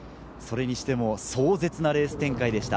それにしても、壮絶なレース展開でした。